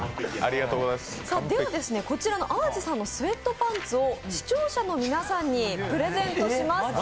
こちらの淡路さんのスエットパンツを視聴者の皆さんにプレゼントします。